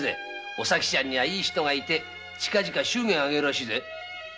お咲ちゃんにはいい人がいて近々祝言を挙げるらしいぜ。